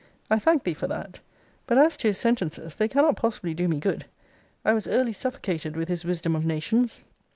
I thank thee for that. But as to his sentences, they cannot possibly do me good. I was early suffocated with his wisdom of nations.